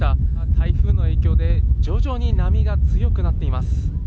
台風の影響で徐々に波が強くなっています。